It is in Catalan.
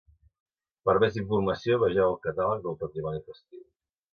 Per a més informació, vegeu el Catàleg del Patrimoni Festiu.